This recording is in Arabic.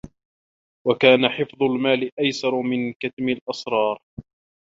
وَكَانَ حِفْظُ الْمَالِ أَيْسَرَ مِنْ كَتْمِ الْأَسْرَارِ